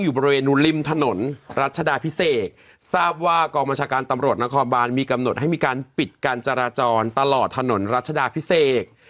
อยู่บริเวณริมถนนรัชดาพิเศษทราบว่ากองบัญชาการตำรวจนครบานมีกำหนดให้มีการปิดการจราจรตลอดถนนรัชดาพิเศษ